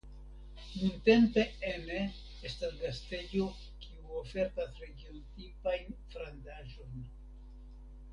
Nuntempe ene estas gastejo kiu ofertas regiontipajn friandaĵojn.